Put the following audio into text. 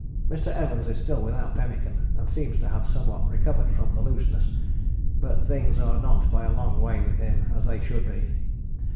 Mr. Evans is still without pemmican and seems to have somewhat recovered from the looseness, but things are not by a long way with him as they should be.